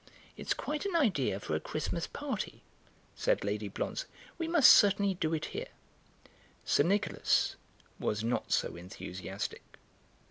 "It's quite an idea for a Christmas party," said Lady Blonze; "we must certainly do it here." Sir Nicholas was not so enthusiastic.